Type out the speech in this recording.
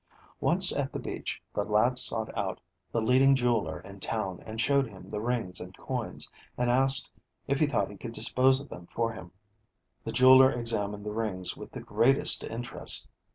Once at the Beach, the lad sought out the leading jeweler in town, and showed him the rings and coins, and asked if he thought he could dispose of them for him. The jeweler examined the rings with the greatest interest.